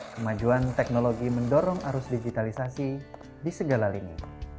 kemajuan teknologi mendorong arus digitalisasi di segala lini